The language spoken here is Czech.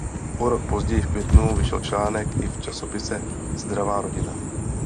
O rok později v květnu vyšel článek i v časopise "Zdravá rodina".